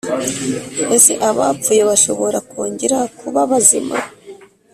Ese abapfuye bashobora kongera kuba bazima?